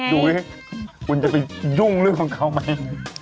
ดูสิคุณจะไปยุ่งเรื่องของเขาไหม